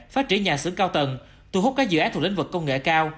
phát triển nhà xưởng cao tầng thu hút các dự án thuộc lĩnh vực công nghệ cao